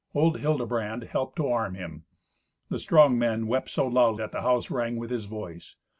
Old Hildebrand helped to arm him. The strong man wept so loud that the house rang with his voice.